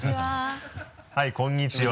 はいこんにちは。